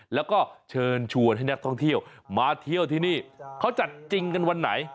แล้วก็เชิญชวนให้นักท่องเที่ยวมาเที่ยวที่นี่เขาจัดจริงกันวันไหน